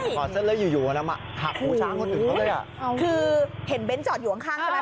ต้องครอบสรรค์หละอยู่มาหักผู้ช้างหักโดนเขามั้ย